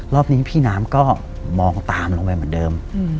รอบนี้พี่น้ำก็มองตามลงไปเหมือนเดิม